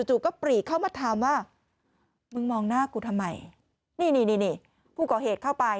ก็ปรีเข้ามาถามว่ามึงมองหน้ากูทำไมนี่นี่ผู้ก่อเหตุเข้าไป